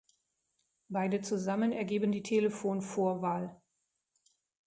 Beide zusammen ergeben die Telefonvorwahl.